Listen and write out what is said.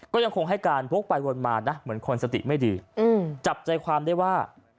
ก็ยังคงให้การวกไปวนมานะเหมือนคนสติไม่ดีจับใจความได้ว่า